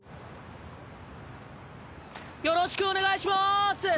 よろしくお願いします！